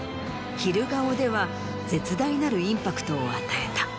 『昼顔』では絶大なるインパクトを与えた。